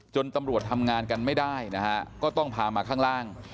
ตำรวจทำงานกันไม่ได้นะฮะก็ต้องพามาข้างล่าง